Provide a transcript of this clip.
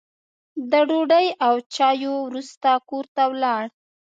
د ډوډۍ او چایو وروسته کور ته ولاړ.